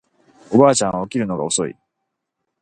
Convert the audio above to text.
おばあちゃんは起きるのが遅い